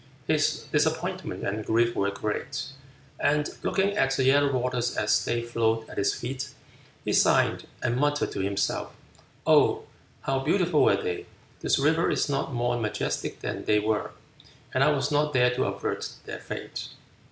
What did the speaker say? His disappointment and grief were great, and looking at the yellow waters as they flowed at his feet, he sighed and muttered to himself: "Oh how beautiful were they; this river is not more majestic than they were! and I was not there to avert their fate!"